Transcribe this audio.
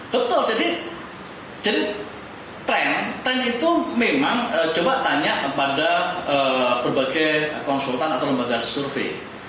betul jadi tren tren itu memang coba tanya kepada berbagai konsultan atau lembaga survei